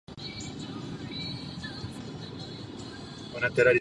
Tato puška byla první vojenskou samonabíjecí puškou zavedenou do výzbroje ve velkém množství.